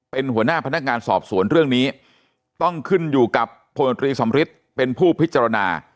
เป็นหัวหน้าพนักงานสอบสวนเรื่องนี้ต้องขึ้นอยู่กับพลตรีสำริทเป็นผู้พิจารณา